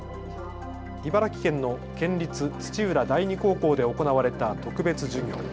茨城県の県立土浦第二高校で行われた特別授業。